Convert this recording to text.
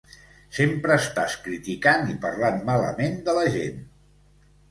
Sempre estàs criticant i parlant malament de la gent.